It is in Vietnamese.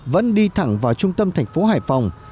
vẫn đi thẳng vào trung tâm thành phố hải phòng